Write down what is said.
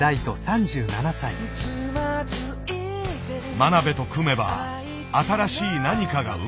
真鍋と組めば新しい何かが生まれる。